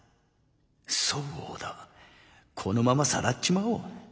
そうだこのままさらっちまおう。